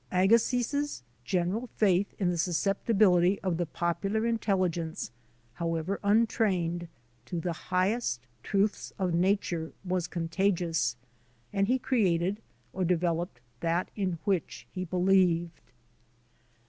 Agassiz s general faith in the suscepti bility of the popular intelligence, however untrained, to the highest truths of nature, was contagious, and he created or developed that in ivhich.he believed."